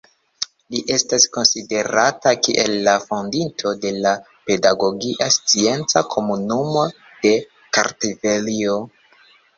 Li estas konsiderata kiel la fondinto de la Pedagogia Scienca Komunumo de Kartvelio.